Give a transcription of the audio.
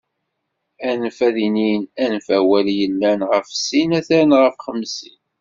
Anef ad inin, anef awal yellan ɣef sin ad tarren ɣef xemsin.